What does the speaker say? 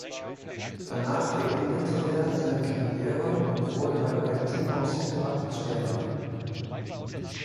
Danach beendete er seine Karriere und wurde beim Repton Boxing Club Trainer.